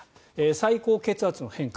最高血圧の変化